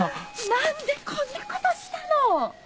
なんでこんなことしたの！